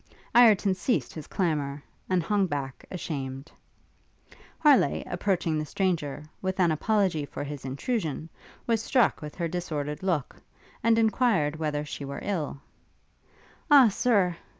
Ireton ceased his clamour, and hung back, ashamed. Harleigh, approaching the stranger, with an apology for his intrusion, was struck with her disordered look, and enquired whether she were ill? 'Ah, Sir!'